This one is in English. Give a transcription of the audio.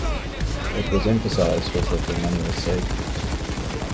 What was emphasized was that their money was safe.